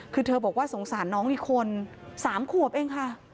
คือเธอบอกว่าสงสารน้องอีกคน๓ขวบเองค่ะ